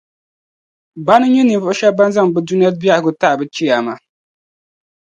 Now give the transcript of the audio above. Bana n-nyɛ ninvuɣu shɛba ban zaŋ bɛ Dunia biεhigu n-taɣi bɛ Chiyaama.